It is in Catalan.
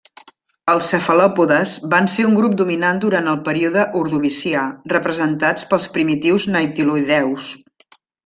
Els cefalòpodes van ser un grup dominant durant el període Ordovicià, representats pels primitius nautiloïdeus.